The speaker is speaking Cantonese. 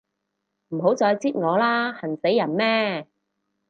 唔好再擳我啦，痕死人咩